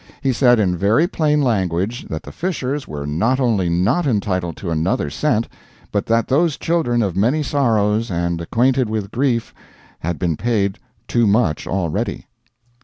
He said in very plain language that the Fishers were not only not entitled to another cent, but that those children of many sorrows and acquainted with grief had been paid too much already.